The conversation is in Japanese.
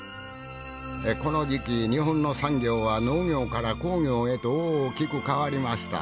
この時期日本の産業は農業から工業へと大きく変わりました。